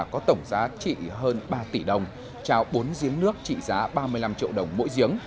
có tổng giá trị hơn ba tỷ đồng trao bốn giếng nước trị giá ba mươi năm triệu đồng mỗi giếng